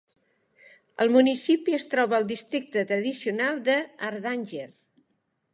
El municipi es troba al districte tradicional de Hardanger.